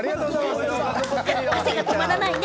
汗が止まらないね。